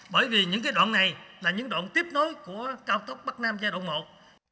bởi vì những đoạn này là những đoạn tiếp nối của cao tốc bắc nam giai đoạn một